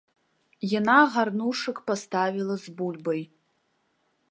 Яна гарнушак паставіла з бульбай.